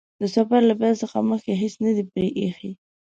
د سفر له پیل څخه مخکې هیڅ نه دي پرې ايښي.